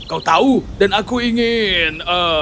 kau tahu dan aku ingin